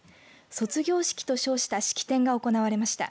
卒業式と称した式典が行われました。